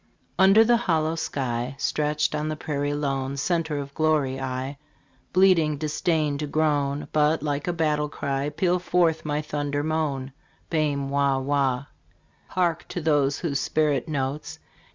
Under the hollow sky, Stretched on the prairie lone, Center of glory, I, Bleeding, disdain to groan, But like a battle cry Peal forth my thunder moan. Bairn wah wah ! Hark to those spirit notes